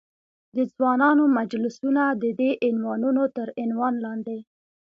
د ځوانانو مجلسونه، ددې عنوانونو تر عنوان لاندې.